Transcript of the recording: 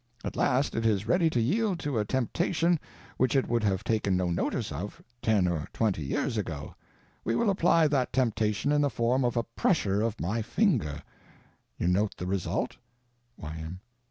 At last it is ready to yield to a temptation which it would have taken no notice of, ten or twenty years ago. We will apply that temptation in the form of a pressure of my finger. You note the result? Y.